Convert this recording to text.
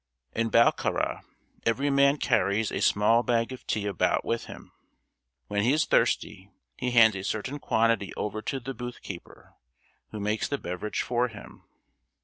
In Bokhara, every man carries a small bag of tea about with him. When he is thirsty he hands a certain quantity over to the booth keeper, who makes the beverage for him.